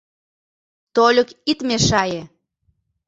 — Тольык ит мешае.